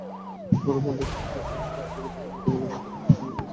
পরে বন্দুক ঠেকিয়ে সবার কাছ থেকে টাকাপয়সাসহ মূল্যবান সবকিছু নিয়ে গেছেন।